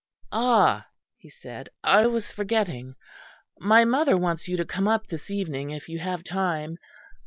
"Ah!" he said, "I was forgetting. My mother wants you to come up this evening, if you have time.